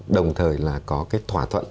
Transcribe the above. đồng thời là có cái thỏa thuận